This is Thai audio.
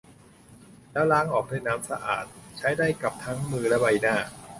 แล้วล้างออกด้วยน้ำสะอาด ใช้ได้กับทั้งมือและใบหน้า